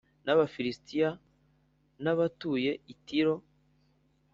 N Abafilisitiya n abatuye i Tiro